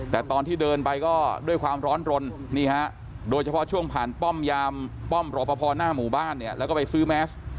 แต่ตอนที่เดินไปก็ด้วยความร้อนรนนี่ฮะโดยเฉพาะช่วงผ่านป้อมยามป้อมรอปภหน้าหมู่บ้านเนี่ยแล้วก็ไปซื้อแมส